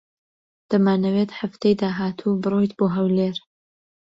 دەمانەوێت هەفتەی داهاتوو بڕۆیت بۆ ھەولێر.